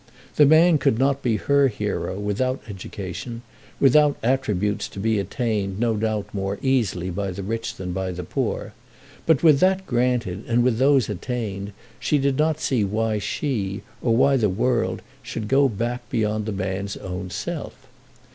The man could not be her hero without education, without attributes to be attained no doubt more easily by the rich than by the poor; but, with that granted, with those attained, she did not see why she, or why the world, should go back beyond the man's own self.